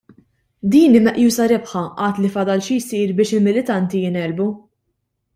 Din hi meqjusa rebħa għad li fadal xi jsir biex il-militanti jingħelbu.